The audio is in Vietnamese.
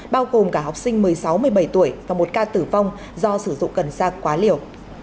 bao gồm cả học sinh một mươi sáu một mươi bảy tuổi và một ca tử vong do sử dụng cần sa quá liều